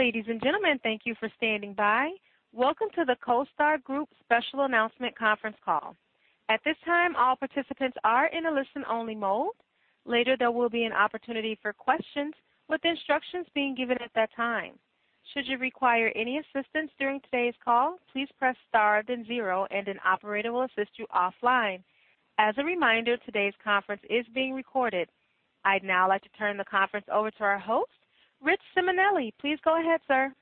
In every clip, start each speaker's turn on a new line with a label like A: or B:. A: Ladies and gentlemen, thank you for standing by. Welcome to the CoStar Group special announcement conference call. At this time, all participants are in a listen-only mode. Later, there will be an opportunity for questions with instructions being given at that time. Should you require any assistance during today's call, please press star then zero, and an operator will assist you offline. As a reminder, today's conference is being recorded. I'd now like to turn the conference over to our host, Rich Simonelli. Please go ahead, sir.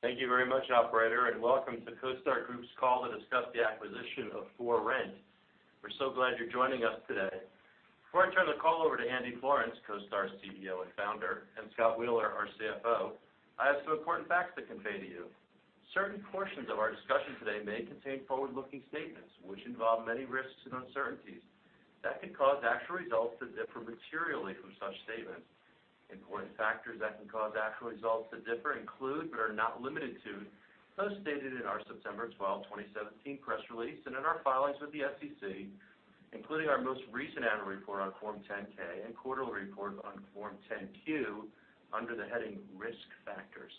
B: Thank you very much, operator, and welcome to CoStar Group's call to discuss the acquisition of ForRent.com. We're so glad you're joining us today. Before I turn the call over to Andy Florance, CoStar's CEO and founder, and Scott Wheeler, our CFO, I have some important facts to convey to you. Certain portions of our discussion today may contain forward-looking statements which involve many risks and uncertainties that could cause actual results to differ materially from such statements. Important factors that can cause actual results to differ include, but are not limited to, those stated in our September 12, 2017 press release and in our filings with the SEC, including our most recent annual report on Form 10-K and quarterly report on Form 10-Q under the heading Risk Factors.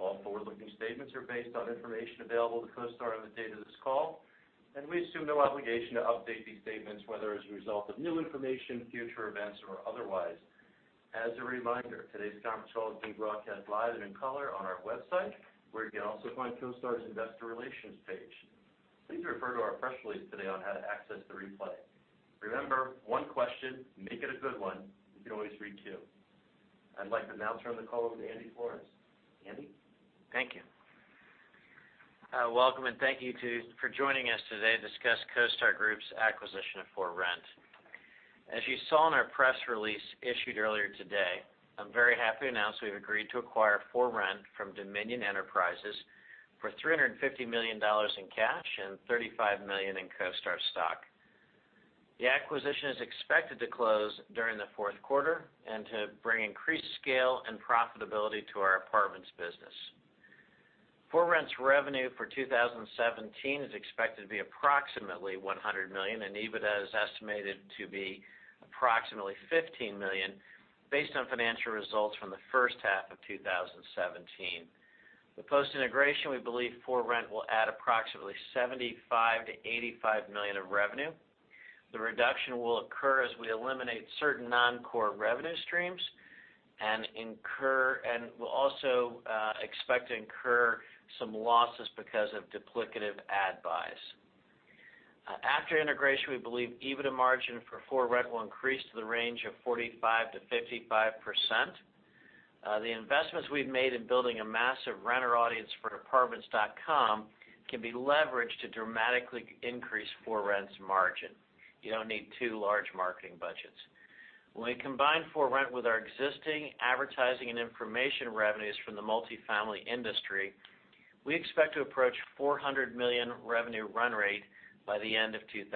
B: All forward-looking statements are based on information available to CoStar on the date of this call, and we assume no obligation to update these statements, whether as a result of new information, future events, or otherwise. As a reminder, today's conference call is being broadcast live and in color on our website, where you can also find CoStar's investor relations page. Please refer to our press release today on how to access the replay. Remember, one question, make it a good one. You can always re-queue. I'd like to now turn the call over to Andy Florance. Andy?
C: Thank you. Welcome and thank you for joining us today to discuss CoStar Group's acquisition of ForRent.com. As you saw in our press release issued earlier today, I'm very happy to announce we've agreed to acquire ForRent.com from Dominion Enterprises for $350 million in cash and $35 million in CoStar stock. The acquisition is expected to close during the fourth quarter and to bring increased scale and profitability to our apartments business. ForRent.com's revenue for 2017 is expected to be approximately $100 million, and EBITDA is estimated to be approximately $15 million based on financial results from the first half of 2017. With post-integration, we believe ForRent.com will add approximately $75 million-$85 million of revenue. The reduction will occur as we eliminate certain non-core revenue streams and will also expect to incur some losses because of duplicative ad buys. After integration, we believe EBITDA margin for ForRent.com will increase to the range of 45%-55%. The investments we've made in building a massive renter audience for Apartments.com can be leveraged to dramatically increase ForRent.com's margin. You don't need two large marketing budgets. When we combine ForRent.com with our existing advertising and information revenues from the multifamily industry, we expect to approach $400 million revenue run rate by the end of 2017.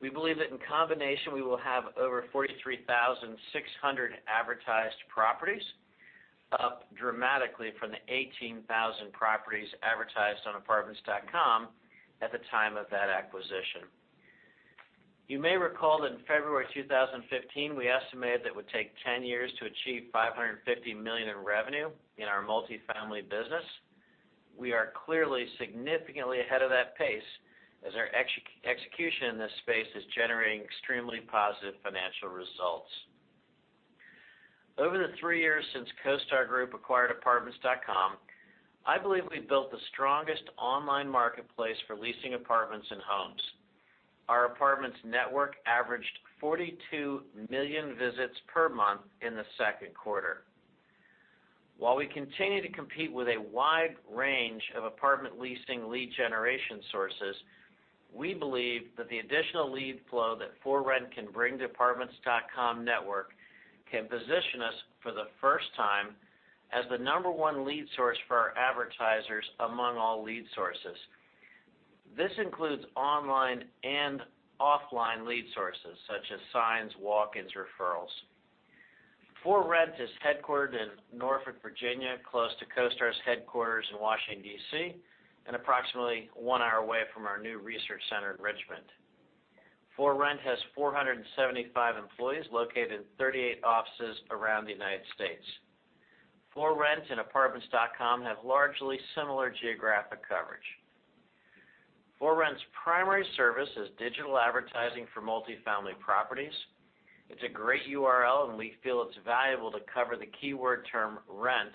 C: We believe that in combination, we will have over 43,600 advertised properties, up dramatically from the 18,000 properties advertised on Apartments.com at the time of that acquisition. You may recall that in February 2015, we estimated it would take 10 years to achieve $550 million in revenue in our multifamily business. We are clearly significantly ahead of that pace as our execution in this space is generating extremely positive financial results. Over the three years since CoStar Group acquired Apartments.com, I believe we built the strongest online marketplace for leasing apartments and homes. Our apartments network averaged 42 million visits per month in the second quarter. While we continue to compete with a wide range of apartment leasing lead generation sources, we believe that the additional lead flow that ForRent.com can bring to Apartments.com network can position us for the first time as the number one lead source for our advertisers among all lead sources. This includes online and offline lead sources such as signs, walk-ins, referrals. ForRent.com is headquartered in Norfolk, Virginia, close to CoStar's headquarters in Washington, D.C., and approximately one hour away from our new research center in Richmond. ForRent.com has 475 employees located in 38 offices around the United States. ForRent.com and Apartments.com have largely similar geographic coverage. ForRent.com's primary service is digital advertising for multifamily properties. It's a great URL. We feel it's valuable to cover the keyword term rent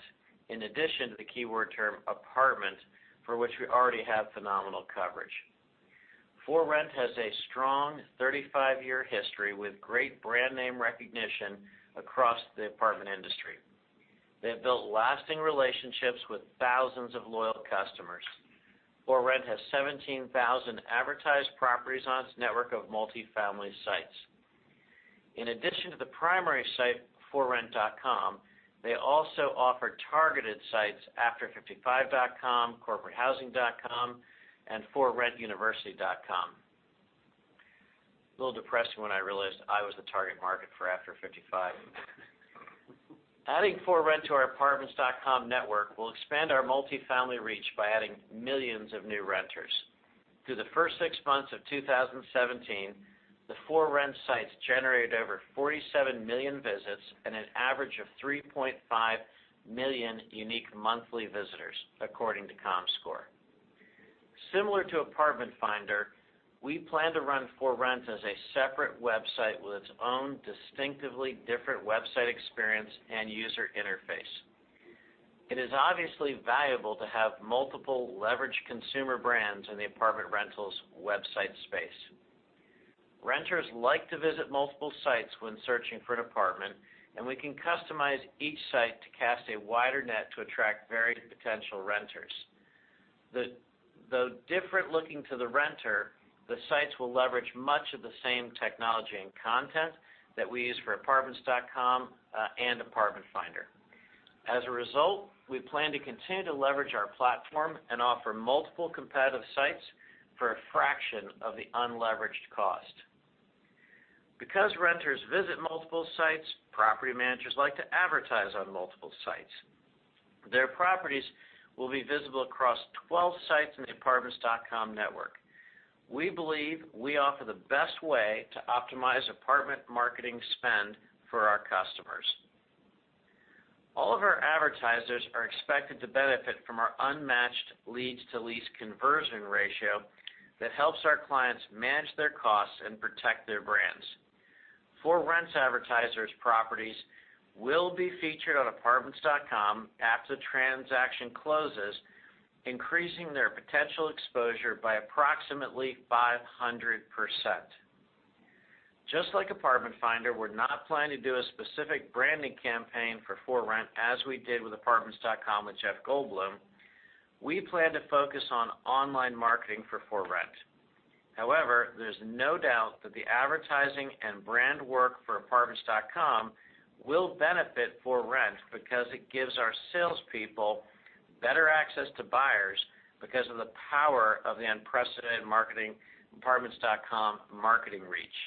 C: in addition to the keyword term apartment, for which we already have phenomenal coverage. ForRent.com has a strong 35-year history with great brand name recognition across the apartment industry. They have built lasting relationships with thousands of loyal customers. ForRent.com has 17,000 advertised properties on its network of multifamily sites. In addition to the primary site, ForRent.com, they also offer targeted sites After55.com, CorporateHousing.com, and ForRentUniversity.com. A little depressing when I realized I was the target market for After55. Adding ForRent.com to our Apartments.com network will expand our multifamily reach by adding millions of new renters. Through the first six months of 2017, the ForRent.com sites generated over 47 million visits and an average of 3.5 million unique monthly visitors, according to Comscore. Similar to Apartment Finder, we plan to run ForRent.com as a separate website with its own distinctively different website experience and user interface. It is obviously valuable to have multiple leverage consumer brands in the apartment rentals website space. Renters like to visit multiple sites when searching for an apartment. We can customize each site to cast a wider net to attract varied potential renters. Though different looking to the renter, the sites will leverage much of the same technology and content that we use for Apartments.com, and Apartment Finder. As a result, we plan to continue to leverage our platform and offer multiple competitive sites for a fraction of the unleveraged cost. Because renters visit multiple sites, property managers like to advertise on multiple sites. Their properties will be visible across 12 sites in the Apartments.com network. We believe we offer the best way to optimize apartment marketing spend for our customers. All of our advertisers are expected to benefit from our unmatched leads to lease conversion ratio that helps our clients manage their costs and protect their brands. ForRent.com advertisers' properties will be featured on Apartments.com after the transaction closes, increasing their potential exposure by approximately 500%. Just like Apartment Finder, we're not planning to do a specific branding campaign for ForRent.com as we did with Apartments.com with Jeff Goldblum. We plan to focus on online marketing for ForRent.com. There's no doubt that the advertising and brand work for Apartments.com will benefit ForRent.com because it gives our salespeople better access to buyers because of the power of the unprecedented Apartments.com marketing reach.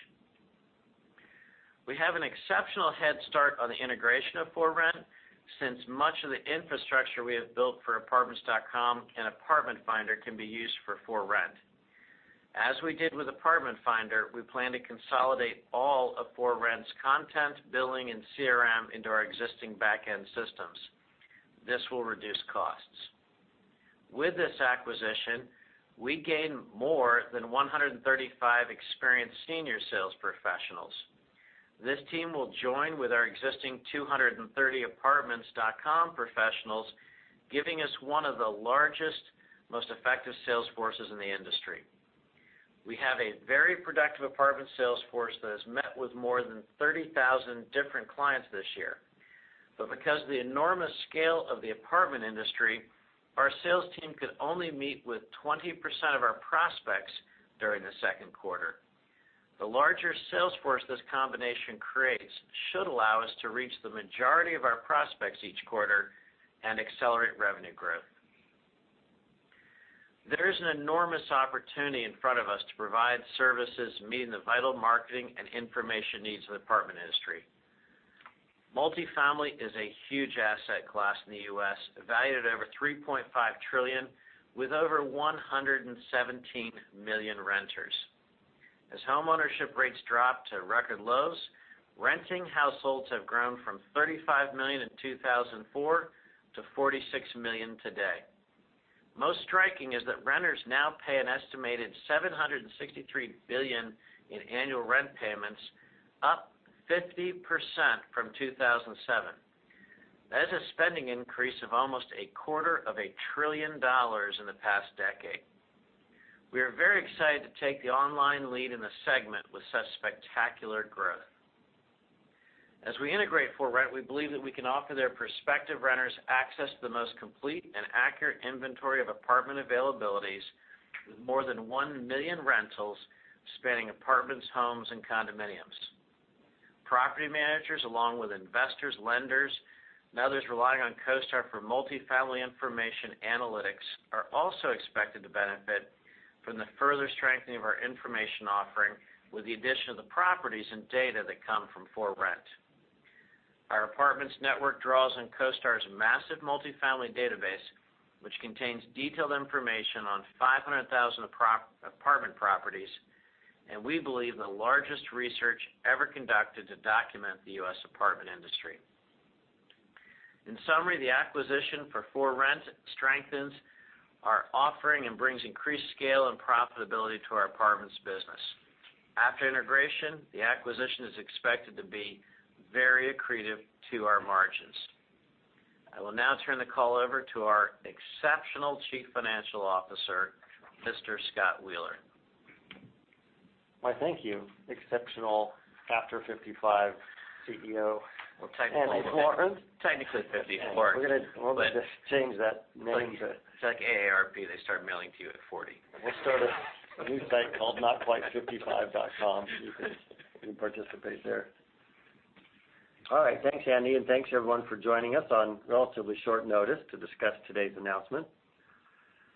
C: We have an exceptional head start on the integration of ForRent.com, since much of the infrastructure we have built for Apartments.com and Apartment Finder can be used for ForRent.com. As we did with Apartment Finder, we plan to consolidate all of ForRent.com's content, billing, and CRM into our existing back-end systems. This will reduce costs. With this acquisition, we gain more than 135 experienced senior sales professionals. This team will join with our existing 230 Apartments.com professionals, giving us one of the largest, most effective sales forces in the industry. We have a very productive apartment sales force that has met with more than 30,000 different clients this year. Because of the enormous scale of the apartment industry, our sales team could only meet with 20% of our prospects during the second quarter. The larger sales force this combination creates should allow us to reach the majority of our prospects each quarter and accelerate revenue growth. There is an enormous opportunity in front of us to provide services meeting the vital marketing and information needs of the apartment industry. Multifamily is a huge asset class in the U.S., valued at over $3.5 trillion, with over 117 million renters. As homeownership rates drop to record lows, renting households have grown from 35 million in 2004 to 46 million today. Most striking is that renters now pay an estimated $763 billion in annual rent payments, up 50% from 2007. That is a spending increase of almost a quarter of a trillion dollars in the past decade. We are very excited to take the online lead in the segment with such spectacular growth. As we integrate ForRent.com, we believe that we can offer their prospective renters access to the most complete and accurate inventory of apartment availabilities with more than 1 million rentals spanning apartments, homes, and condominiums. Property managers, along with investors, lenders, and others relying on CoStar for multifamily information analytics, are also expected to benefit from the further strengthening of our information offering with the addition of the properties and data that come from ForRent.com. Our apartments network draws on CoStar's massive multifamily database, which contains detailed information on 500,000 apartment properties, and we believe the largest research ever conducted to document the U.S. apartment industry. In summary, the acquisition for ForRent.com strengthens our offering and brings increased scale and profitability to our apartments business. After integration, the acquisition is expected to be very accretive to our margins. I will now turn the call over to our exceptional Chief Financial Officer, Mr. Scott Wheeler.
D: Why thank you, exceptional After55.com CEO.
C: Well, technically.
D: Andy Florance.
C: Technically 54.
D: We're going to just change that name.
C: It's like AARP. They start mailing to you at 40.
D: We'll start a new site called notquitefiftyfive.com. You can participate there. All right. Thanks, Andy, and thanks everyone for joining us on relatively short notice to discuss today's announcement.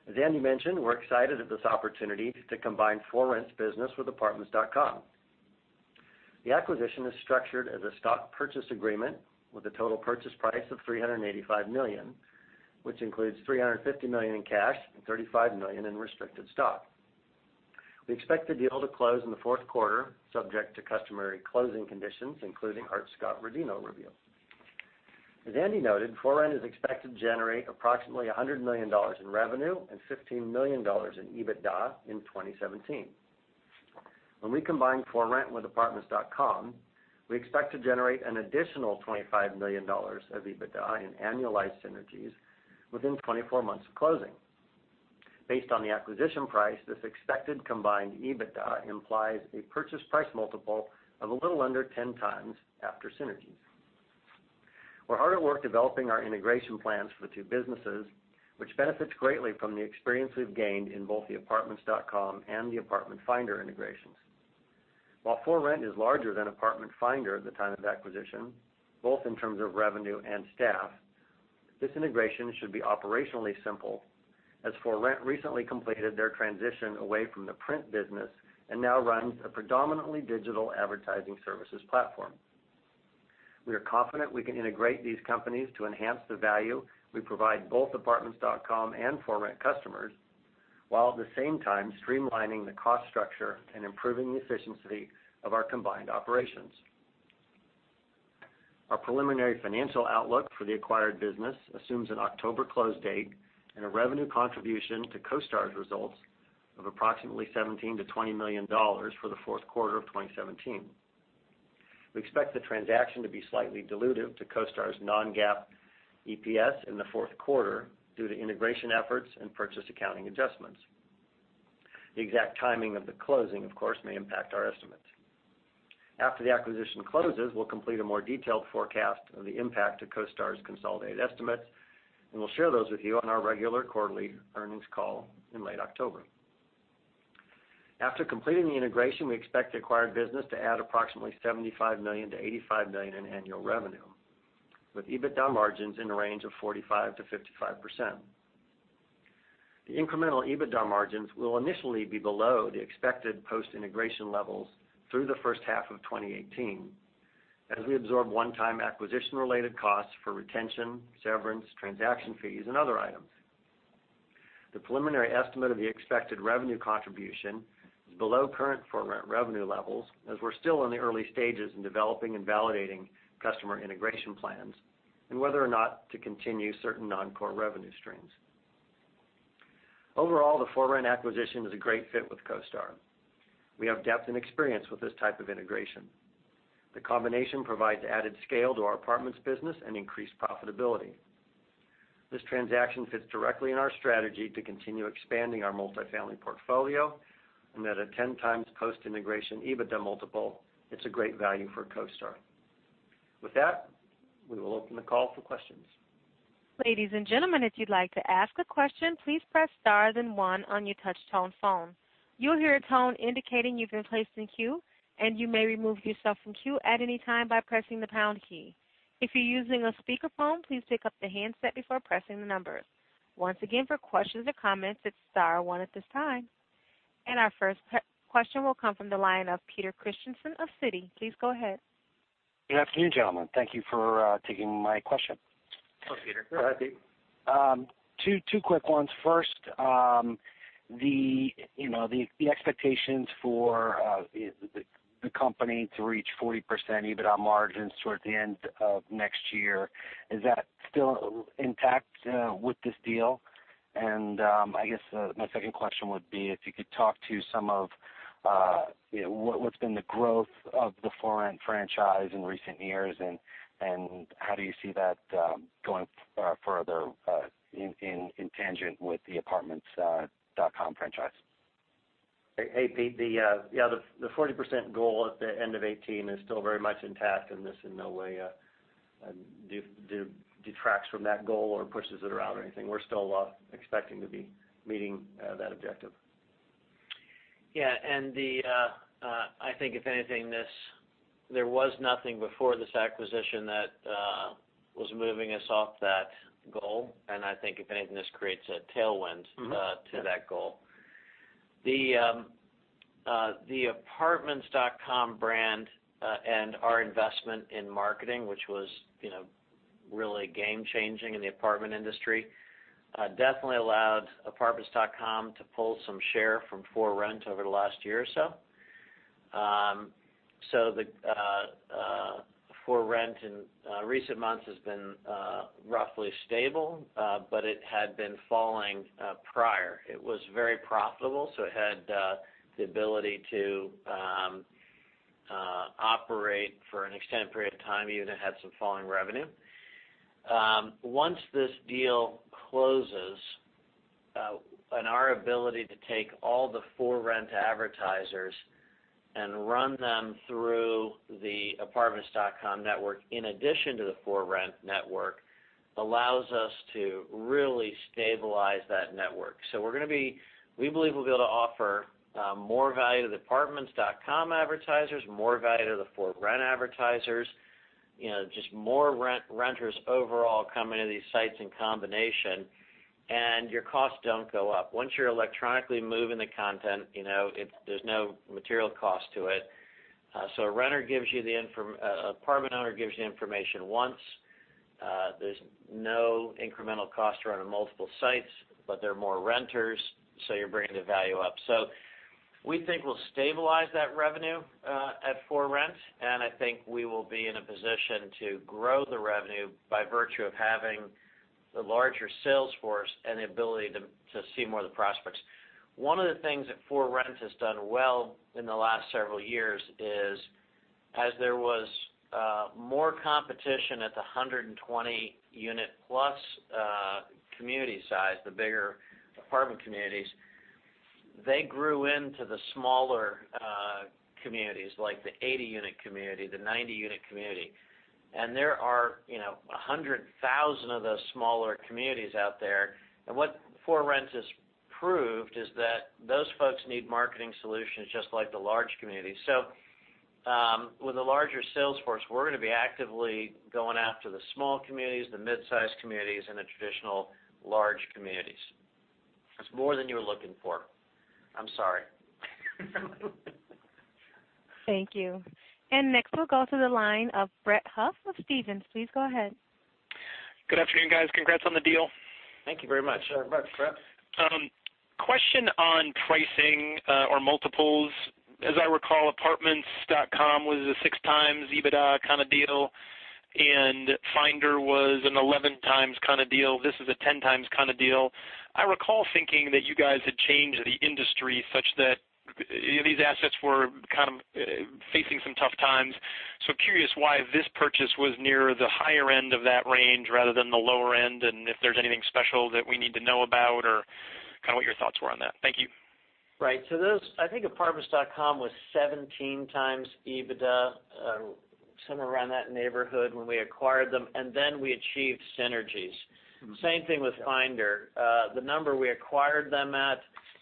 D: As Andy mentioned, we're excited at this opportunity to combine ForRent.com's business with Apartments.com. The acquisition is structured as a stock purchase agreement with a total purchase price of $385 million, which includes $350 million in cash and $35 million in restricted stock. We expect the deal to close in the fourth quarter, subject to customary closing conditions, including Hart-Scott-Rodino review. As Andy noted, ForRent.com is expected to generate approximately $100 million in revenue and $15 million in EBITDA in 2017. When we combine ForRent.com with Apartments.com, we expect to generate an additional $25 million of EBITDA in annualized synergies within 24 months of closing. Based on the acquisition price, this expected combined EBITDA implies a purchase price multiple of a little under 10x after synergies. We're hard at work developing our integration plans for the two businesses, which benefits greatly from the experience we've gained in both the Apartments.com and the Apartment Finder integrations. While ForRent.com is larger than Apartment Finder at the time of acquisition, both in terms of revenue and staff, this integration should be operationally simple, as ForRent.com recently completed their transition away from the print business and now runs a predominantly digital advertising services platform. We are confident we can integrate these companies to enhance the value we provide both Apartments.com and ForRent.com customers, while at the same time streamlining the cost structure and improving the efficiency of our combined operations. Our preliminary financial outlook for the acquired business assumes an October close date and a revenue contribution to CoStar's results of approximately $17 million-$20 million for the fourth quarter of 2017. We expect the transaction to be slightly dilutive to CoStar's non-GAAP EPS in the fourth quarter due to integration efforts and purchase accounting adjustments. The exact timing of the closing, of course, may impact our estimates. After the acquisition closes, we'll complete a more detailed forecast of the impact to CoStar's consolidated estimates, and we'll share those with you on our regular quarterly earnings call in late October. After completing the integration, we expect the acquired business to add approximately $75 million-$85 million in annual revenue, with EBITDA margins in the range of 45%-55%. The incremental EBITDA margins will initially be below the expected post-integration levels through the first half of 2018, as we absorb one-time acquisition-related costs for retention, severance, transaction fees, and other items. The preliminary estimate of the expected revenue contribution is below current ForRent.com revenue levels, as we're still in the early stages in developing and validating customer integration plans and whether or not to continue certain non-core revenue streams. Overall, the ForRent.com acquisition is a great fit with CoStar. We have depth and experience with this type of integration. The combination provides added scale to our apartments business and increased profitability. This transaction fits directly in our strategy to continue expanding our multifamily portfolio, and at a 10x post-integration EBITDA multiple, it's a great value for CoStar. With that, we will open the call for questions.
A: Ladies and gentlemen, if you'd like to ask a question, please press star then one on your touch-tone phone. You'll hear a tone indicating you've been placed in queue, and you may remove yourself from queue at any time by pressing the pound key. If you're using a speakerphone, please pick up the handset before pressing the numbers. Once again, for questions or comments, it's star one at this time. Our first question will come from the line of Peter Christiansen of Citi. Please go ahead.
E: Good afternoon, gentlemen. Thank you for taking my question.
D: Hello, Peter.
C: Go ahead, Pete.
E: Two quick ones. First, the expectations for the company to reach 40% EBITDA margins toward the end of next year, is that still intact with this deal? I guess my second question would be if you could talk to some of what's been the growth of the ForRent.com franchise in recent years, and how do you see that going further in tangent with the Apartments.com franchise?
D: Hey, Pete. The 40% goal at the end of 2018 is still very much intact, and this in no way detracts from that goal or pushes it around or anything. We're still expecting to be meeting that objective.
C: I think if anything, there was nothing before this acquisition that was moving us off that goal, and I think if anything, this creates a tailwind to that goal. The Apartments.com brand and our investment in marketing, which was really game-changing in the apartment industry, definitely allowed Apartments.com to pull some share from ForRent.com over the last year or so. ForRent.com in recent months has been roughly stable, but it had been falling prior. It was very profitable, so it had the ability to operate for an extended period of time, even had some falling revenue. Once this deal closes, and our ability to take all the ForRent.com advertisers and run them through the Apartments.com network, in addition to the ForRent.com network, allows us to really stabilize that network. We believe we'll be able to offer more value to the Apartments.com advertisers, more value to the ForRent.com advertisers. Just more renters overall coming to these sites in combination, and your costs don't go up. Once you're electronically moving the content, there's no material cost to it. An apartment owner gives you the information once. There's no incremental cost to run on multiple sites, but there are more renters, so you're bringing the value up. We think we'll stabilize that revenue at ForRent.com, and I think we will be in a position to grow the revenue by virtue of having the larger sales force and the ability to see more of the prospects. One of the things that ForRent.com has done well in the last several years is, as there was more competition at the 120-unit plus community size, the bigger apartment communities, they grew into the smaller communities, like the 80-unit community, the 90-unit community. There are 100,000 of those smaller communities out there. What ForRent.com has proved is that those folks need marketing solutions just like the large communities. With a larger sales force, we're going to be actively going after the small communities, the midsize communities, and the traditional large communities. That's more than you were looking for. I'm sorry.
A: Thank you. Next we'll go to the line of Brett Huff with Stephens. Please go ahead.
F: Good afternoon, guys. Congrats on the deal.
C: Thank you very much.
D: Thanks very much, Brett.
F: Question on pricing or multiples. As I recall, Apartments.com was a 6x EBITDA kind of deal, and Finder was an 11x kind of deal. This is a 10x kind of deal. I recall thinking that you guys had changed the industry such that these assets were kind of facing some tough times. Curious why this purchase was near the higher end of that range rather than the lower end, and if there's anything special that we need to know about or kind of what your thoughts were on that. Thank you.
C: Right. I think Apartments.com was 17x EBITDA, somewhere around that neighborhood when we acquired them, and then we achieved synergies. Same thing with Finder. The number we acquired them at,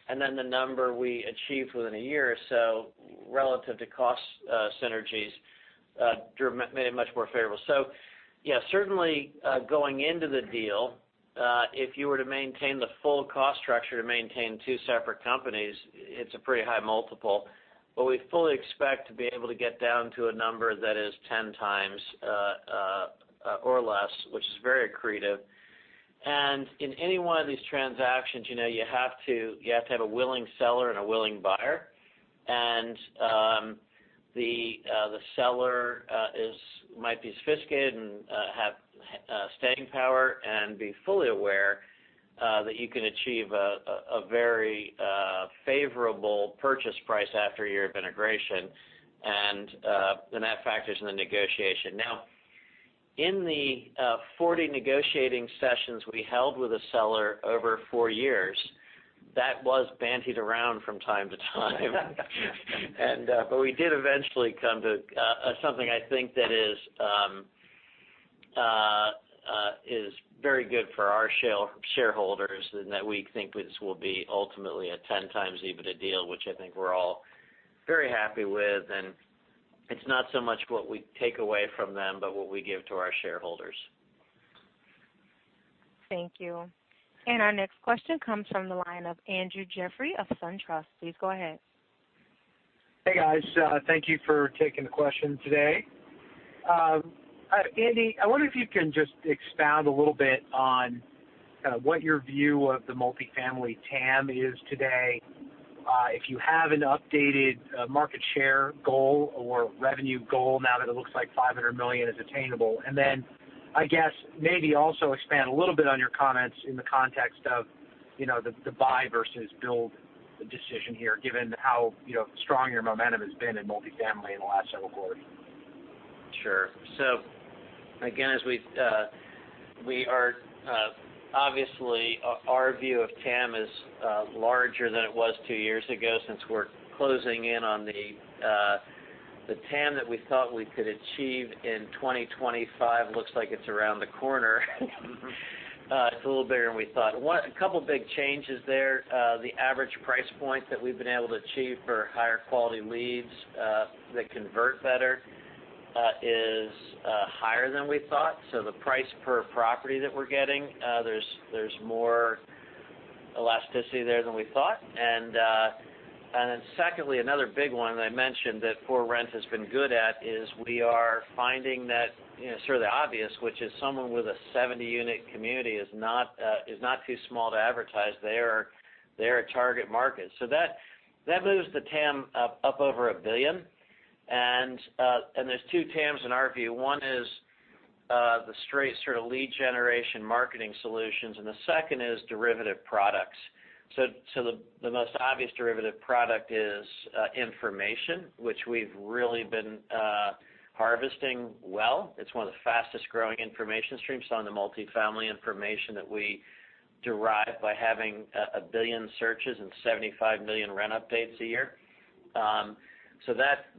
C: and then the number we achieved within a year or so relative to cost synergies, made it much more favorable. Yeah, certainly, going into the deal, if you were to maintain the full cost structure to maintain two separate companies, it's a pretty high multiple. We fully expect to be able to get down to a number that is 10x or less, which is very accretive. In any one of these transactions, you have to have a willing seller and a willing buyer. The seller might be sophisticated and have staying power and be fully aware that you can achieve a very favorable purchase price after a year of integration. That factors in the negotiation. Now, in the 40 negotiating sessions we held with a seller over four years, that was bandied around from time to time. We did eventually come to something I think that is very good for our shareholders, and that we think this will be ultimately a 10x EBITDA deal, which I think we're all very happy with, and it's not so much what we take away from them, but what we give to our shareholders.
A: Thank you. Our next question comes from the line of Andrew Jeffrey of SunTrust. Please go ahead.
G: Hey, guys. Thank you for taking the question today. Andy, I wonder if you can just expound a little bit on kind of what your view of the multifamily TAM is today. If you have an updated market share goal or revenue goal now that it looks like $500 million is attainable. I guess maybe also expand a little bit on your comments in the context of the buy versus build decision here, given how strong your momentum has been in multifamily in the last several quarters.
C: Sure. Obviously our view of TAM is larger than it was 2 years ago, since we're closing in on the TAM that we thought we could achieve in 2025, looks like it's around the corner. It's a little bigger than we thought. A couple big changes there. The average price point that we've been able to achieve for higher quality leads that convert better, is higher than we thought. The price per property that we're getting, there's more elasticity there than we thought. Another big one that I mentioned that ForRent.com has been good at is we are finding that sort of the obvious, which is someone with a 70-unit community is not too small to advertise. They are a target market. That moves the TAM up over $1 billion. There's 2 TAMs in our view. One is the straight sort of lead generation marketing solutions, and the 2nd is derivative products. The most obvious derivative product is information, which we've really been harvesting well. It's one of the fastest-growing information streams on the multifamily information that we derive by having 1 billion searches and 75 million rent updates a year.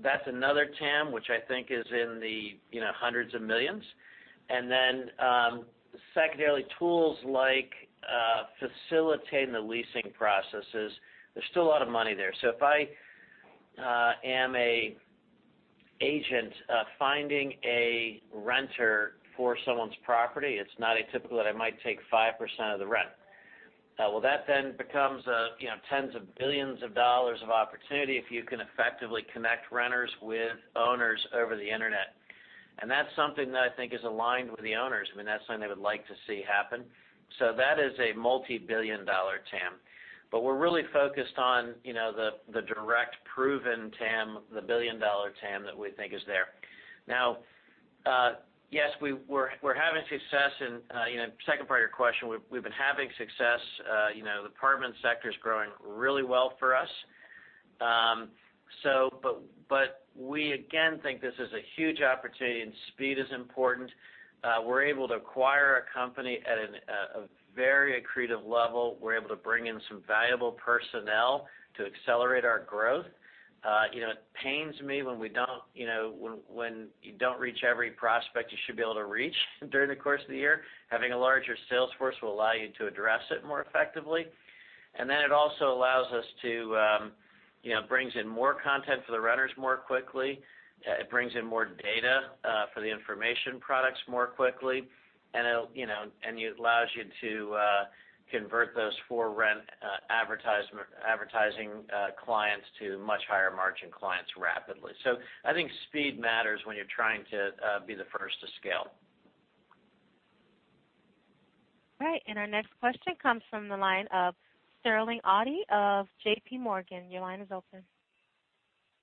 C: That's another TAM, which I think is in the $hundreds of millions. Then, secondarily, tools like facilitating the leasing processes. There's still a lot of money there. If I am an agent finding a renter for someone's property. It's not atypical that I might take 5% of the rent. That then becomes $tens of billions of opportunity if you can effectively connect renters with owners over the Internet. That's something that I think is aligned with the owners. That's something they would like to see happen. That is a $multi-billion TAM, but we're really focused on the direct proven TAM, the $billion TAM that we think is there. Yes, we're having success in, 2nd part of your question, we've been having success. The apartment sector is growing really well for us. We, again, think this is a huge opportunity, and speed is important. We're able to acquire a company at a very accretive level. We're able to bring in some valuable personnel to accelerate our growth. It pains me when you don't reach every prospect you should be able to reach during the course of the year. Having a larger sales force will allow you to address it more effectively. It also brings in more content for the renters more quickly. It brings in more data for the information products more quickly. It allows you to convert those ForRent.com advertising clients to much higher margin clients rapidly. I think speed matters when you're trying to be the first to scale.
A: All right. Our next question comes from the line of Sterling Auty of JPMorgan. Your line is open.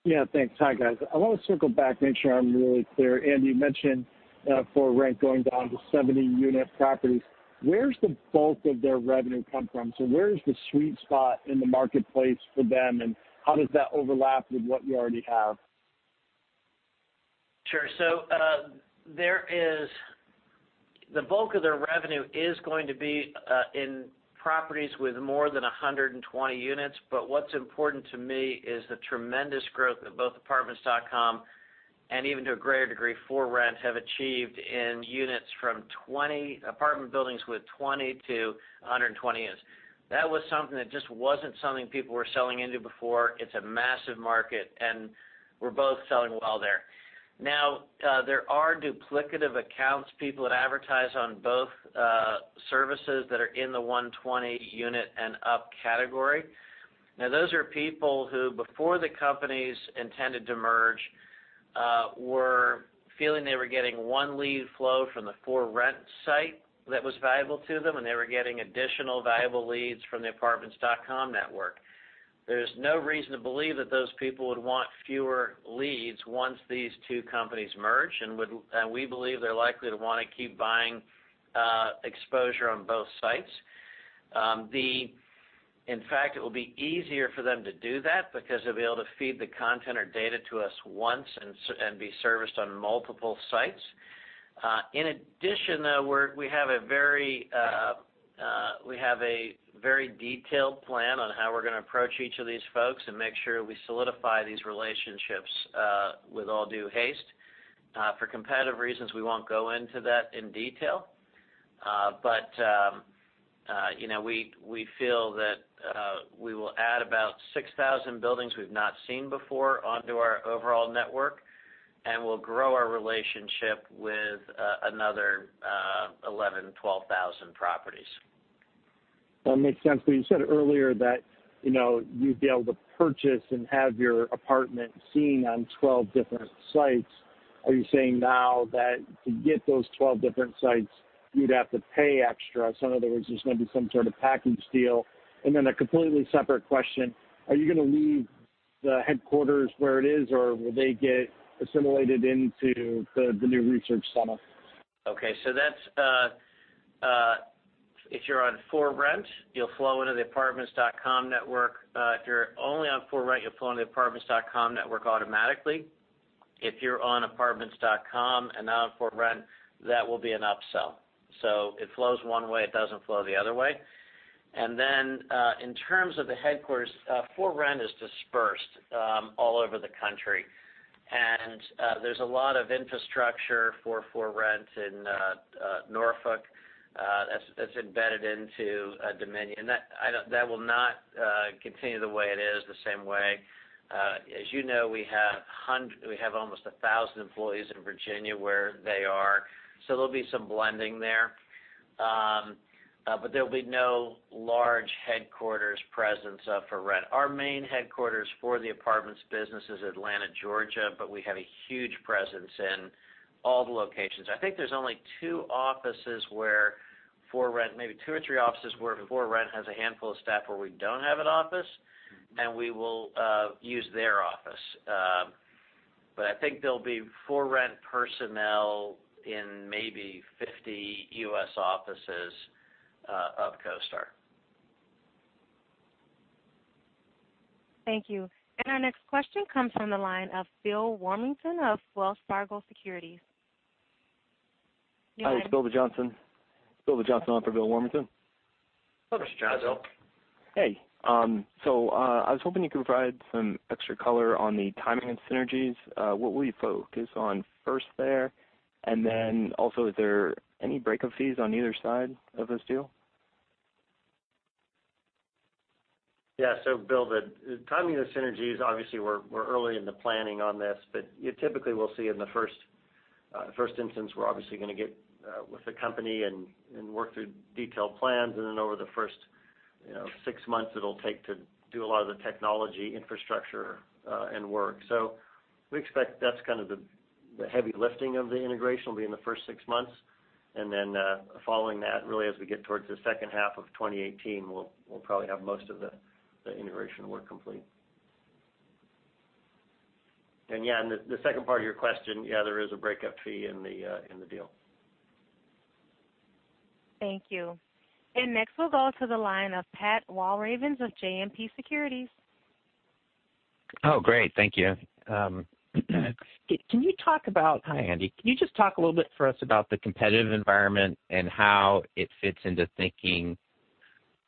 H: Yeah, thanks. Hi, guys. I want to circle back, make sure I'm really clear. Andy, you mentioned ForRent.com going down to 70-unit properties. Where's the bulk of their revenue come from? Where is the sweet spot in the marketplace for them, and how does that overlap with what you already have?
C: Sure. The bulk of their revenue is going to be in properties with more than 120 units. What's important to me is the tremendous growth that both Apartments.com and even to a greater degree, ForRent.com have achieved in apartment buildings with 20 to 120 units. That was something that just wasn't something people were selling into before. It's a massive market, and we're both selling well there. Now, there are duplicative accounts, people that advertise on both services that are in the 120 unit and up category. Now, those are people who, before the companies intended to merge, were feeling they were getting one lead flow from the ForRent.com site that was valuable to them, and they were getting additional valuable leads from the Apartments.com network. There's no reason to believe that those people would want fewer leads once these two companies merge. We believe they're likely to want to keep buying exposure on both sites. In fact, it will be easier for them to do that because they'll be able to feed the content or data to us once and be serviced on multiple sites. In addition, though, we have a very detailed plan on how we're going to approach each of these folks and make sure we solidify these relationships with all due haste. For competitive reasons, we won't go into that in detail. We feel that we will add about 6,000 buildings we've not seen before onto our overall network, and we'll grow our relationship with another 11,000, 12,000 properties.
H: That makes sense. You said earlier that you'd be able to purchase and have your apartment seen on 12 different sites. Are you saying now that to get those 12 different sites, you'd have to pay extra? In other words, there's going to be some sort of package deal. A completely separate question, are you going to leave the headquarters where it is, or will they get assimilated into the new research center?
C: Okay. If you're on ForRent.com, you'll flow into the Apartments.com network. If you're only on ForRent.com, you'll flow into the Apartments.com network automatically. If you're on Apartments.com and not on ForRent.com, that will be an upsell. It flows one way; it doesn't flow the other way. In terms of the headquarters, ForRent.com is dispersed all over the country, and there's a lot of infrastructure for ForRent.com in Norfolk that's embedded into Dominion. That will not continue the way it is, the same way. As you know, we have almost 1,000 employees in Virginia where they are, so there'll be some blending there. There'll be no large headquarters presence of ForRent.com. Our main headquarters for the apartments business is Atlanta, Georgia, but we have a huge presence in all the locations. I think there's only two offices where ForRent.com, maybe two or three offices where ForRent.com has a handful of staff where we don't have an office, and we will use their office. I think there'll be ForRent.com personnel in maybe 50 U.S. offices of CoStar.
A: Thank you. Our next question comes from the line of Bill Warmington of Wells Fargo Securities. Your line-
C: Hello, [Mr. Johnson].
I: Hey. I was hoping you could provide some extra color on the timing and synergies. What will you focus on first there? Then also, is there any breakup fees on either side of this deal?
D: Yeah. Bill, the timing of the synergies, obviously, we're early in the planning on this, you typically will see in the first instance, we're obviously going to get with the company and work through detailed plans, then over the first six months, it'll take to do a lot of the technology infrastructure and work. We expect that's kind of the heavy lifting of the integration will be in the first six months, then following that, really as we get towards the second half of 2018, we'll probably have most of the integration work complete. Yeah, the second part of your question, yeah, there is a breakup fee in the deal.
A: Thank you. Next we'll go to the line of Pat Walravens of JMP Securities.
J: Oh, great. Thank you. Hi, Andy. Can you just talk a little bit for us about the competitive environment and how it fits into thinking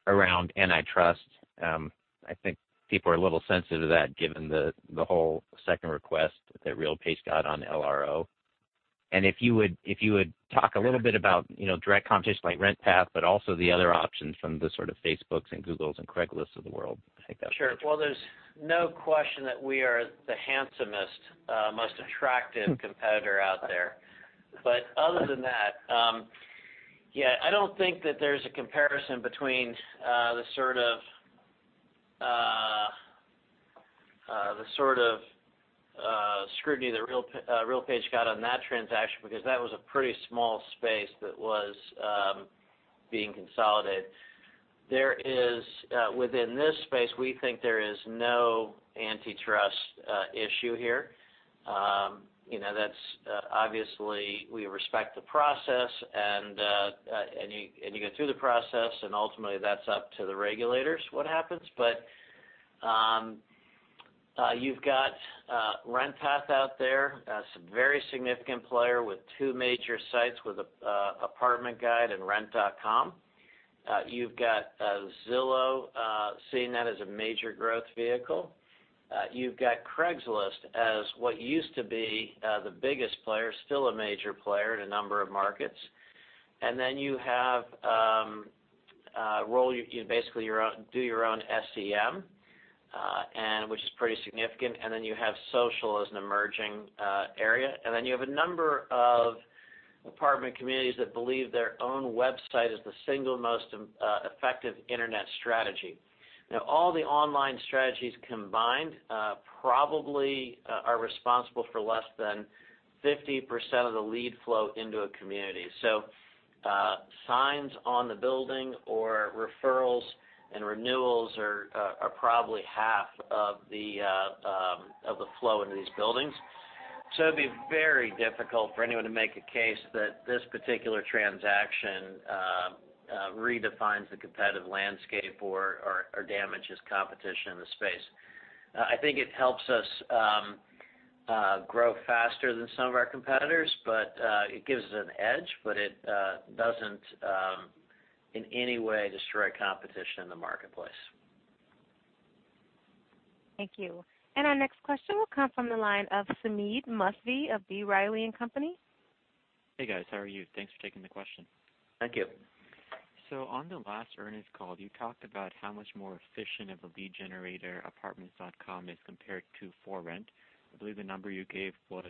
J: around antitrust? I think people are a little sensitive to that given the whole second request that RealPage got on LRO. If you would talk a little bit about direct competition like RentPath, but also the other options from the sort of Facebook's and Google's and Craigslist of the world. I think that's.
C: Sure. Well, there's no question that we are the handsomest, most attractive competitor out there. Other than that, yeah, I don't think that there's a comparison between the sort of scrutiny that RealPage got on that transaction because that was a pretty small space that was being consolidated. Within this space, we think there is no antitrust issue here. Obviously, we respect the process, you go through the process, ultimately that's up to the regulators what happens. You've got RentPath out there, a very significant player with two major sites with Apartment Guide and Rent.com. You've got Zillow, seeing that as a major growth vehicle. You've got Craigslist as what used to be the biggest player, still a major player in a number of markets. Then you have roll, you basically do your own SEM, which is pretty significant, you have social as an emerging area. Then you have a number of apartment communities that believe their own website is the single most effective internet strategy. Now, all the online strategies combined probably are responsible for less than 50% of the lead flow into a community. Signs on the building or referrals and renewals are probably half of the flow into these buildings. It'd be very difficult for anyone to make a case that this particular transaction redefines the competitive landscape or damages competition in the space. I think it helps us grow faster than some of our competitors, it gives us an edge, it doesn't in any way destroy competition in the marketplace.
A: Thank you. Our next question will come from the line of Sameet Sinha of B. Riley & Co.
K: Hey, guys. How are you? Thanks for taking the question.
C: Thank you.
K: On the last earnings call, you talked about how much more efficient of a lead generator Apartments.com is compared to ForRent.com. I believe the number you gave was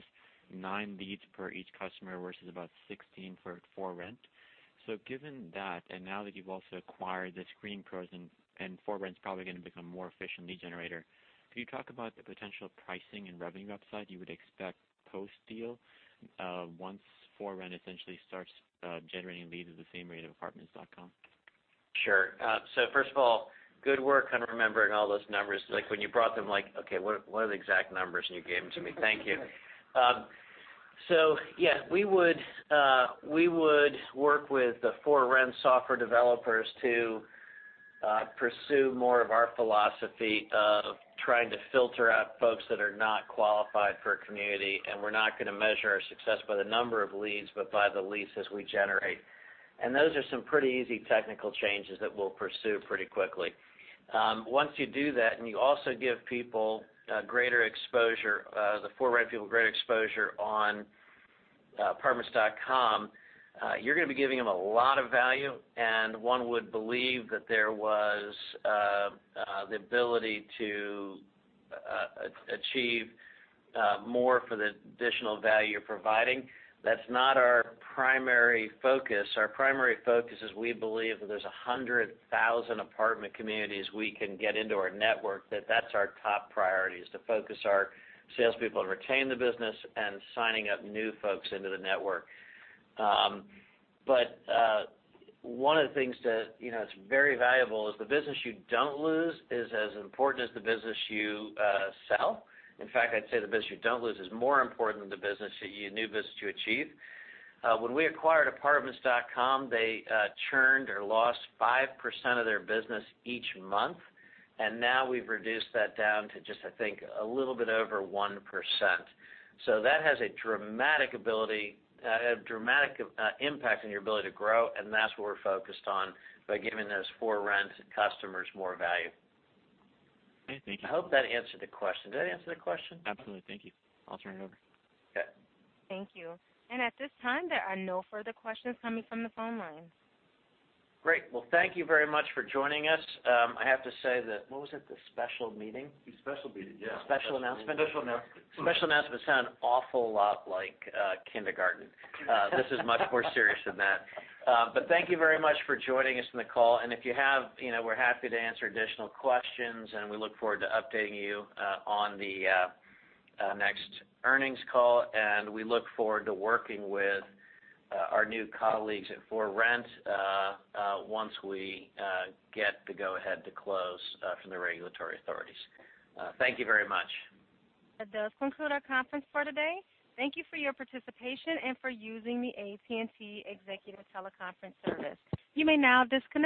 K: nine leads per each customer versus about 16 for ForRent.com. Given that, and now that you've also acquired the ScreenPros and ForRent.com's probably going to become a more efficient lead generator, could you talk about the potential pricing and revenue upside you would expect post-deal once ForRent.com essentially starts generating leads at the same rate of Apartments.com?
C: Sure. First of all, good work on remembering all those numbers. When you brought them, "Okay, what are the exact numbers?" You gave them to me. Thank you. Yeah, we would work with the ForRent.com software developers to pursue more of our philosophy of trying to filter out folks that are not qualified for a community, and we're not going to measure our success by the number of leads, but by the leases we generate. Those are some pretty easy technical changes that we'll pursue pretty quickly. Once you do that, and you also give people greater exposure, the ForRent.com people greater exposure on Apartments.com, you're going to be giving them a lot of value, and one would believe that there was the ability to achieve more for the additional value you're providing. That's not our primary focus. Our primary focus is we believe that there's 100,000 apartment communities we can get into our network, that that's our top priority, is to focus our salespeople to retain the business and signing up new folks into the network. One of the things that's very valuable is the business you don't lose is as important as the business you sell. In fact, I'd say the business you don't lose is more important than the new business you achieve. When we acquired Apartments.com, they churned or lost 5% of their business each month, and now we've reduced that down to just, I think, a little bit over 1%. That has a dramatic impact on your ability to grow, and that's what we're focused on by giving those ForRent.com customers more value.
K: Okay. Thank you.
C: I hope that answered the question. Did that answer the question?
K: Absolutely. Thank you. I'll turn it over.
C: Okay.
A: Thank you. At this time, there are no further questions coming from the phone lines.
C: Great. Well, thank you very much for joining us. I have to say that What was it? The special meeting? The special meeting, yeah. Special announcement? Special announcement. Special announcement sounds awful lot like kindergarten. This is much more serious than that. Thank you very much for joining us on the call. If you have, we're happy to answer additional questions, and we look forward to updating you on the next earnings call. We look forward to working with our new colleagues at ForRent.com once we get the go ahead to close from the regulatory authorities. Thank you very much.
A: That does conclude our conference for today. Thank you for your participation and for using the AT&T Executive Teleconference service. You may now disconnect.